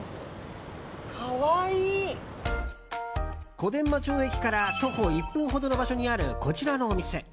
小伝馬町駅から徒歩１分ほどの場所にある、こちらのお店。